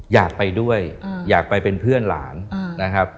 อยากไปด้วยอยากไปเป็นเพื่อนหลานนะครับ